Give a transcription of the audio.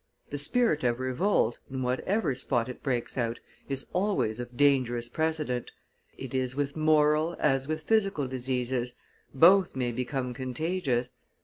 The spirit of revolt, in whatever spot it breaks out, is always of dangerous precedent; it is with moral as with physical diseases, both may become contagious.